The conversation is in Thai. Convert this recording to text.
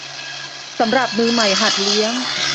สำหรับมือใหม่หัดเลี้ยง